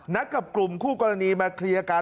กับกลุ่มคู่กรณีมาเคลียร์กัน